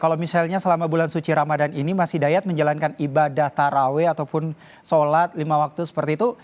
kalau misalnya selama bulan suci ramadan ini mas hidayat menjalankan ibadah taraweh ataupun sholat lima waktu seperti itu